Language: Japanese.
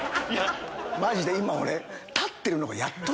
マジで今俺。